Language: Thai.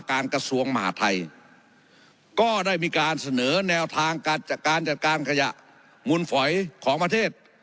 กระทรวงมหาทัยก็ได้มีการเสนอแนวทางการจัดการขยะมุนฝอยของประเทศ